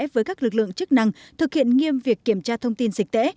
với các lực lượng chức năng thực hiện nghiêm việc kiểm tra thông tin dịch tễ